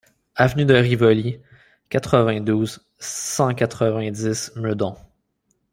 Avenue de Rivoli, quatre-vingt-douze, cent quatre-vingt-dix Meudon